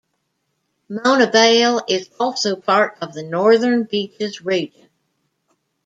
Mona Vale is also part of the Northern Beaches region.